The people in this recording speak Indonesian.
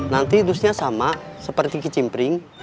nanti dusnya sama seperti ke jimbering